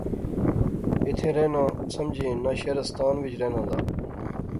ایتھیں رہنا سمجھی ہنا شعرستان وچ رہنا دا